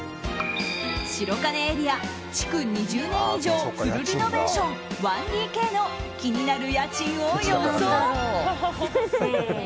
白金エリア、築２０年以上フルリノベーション１ＤＫの気になる家賃を予想。